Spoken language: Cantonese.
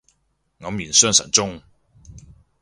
黯然神傷中